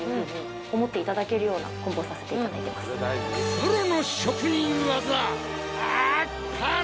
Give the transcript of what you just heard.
プロの職人技あっぱれ！